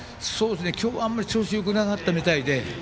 今日はあまり調子がよくなかったみたいで。